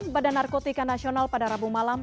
badan narkotika nasional pada rabu malam